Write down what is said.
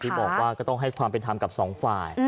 ที่บอกว่าก็ต้องให้ความเป็นธรรมกับสองฝ่าย